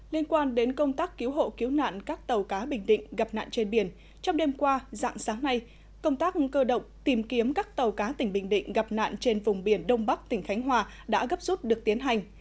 liên quan đến công tác cứu hộ cứu nạn các tàu cá bình định gặp nạn trên biển trong đêm qua dạng sáng nay công tác cơ động tìm kiếm các tàu cá tỉnh bình định gặp nạn trên vùng biển đông bắc tỉnh khánh hòa đã gấp rút được tiến hành